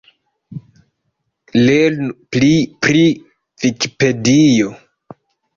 Lernu pli pri Vikipedio.